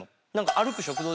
歩く食堂？